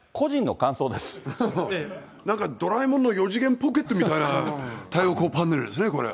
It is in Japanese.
なんか、ドラえもんの四次元ポケットみたいな太陽光パネルですね、これ。